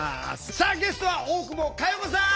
さあゲストは大久保佳代子さん！